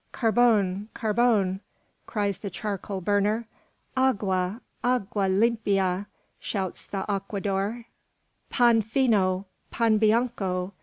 "Carbon! carbon!" cries the charcoal burner. "Agua! agua limpia!" shouts the aguadord. "Pan fino, pan bianco!"